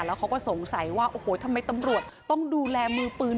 แล้วเขาก็สงสัยว่าโอ้โหทำไมตำรวจต้องดูแลมือปืน